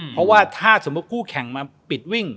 เพราะว่าถ้าสมมุติคู่แข่งมาปิดวิ่ง